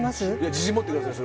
自信持ってください